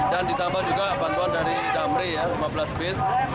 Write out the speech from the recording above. ditambah juga bantuan dari damri ya lima belas bis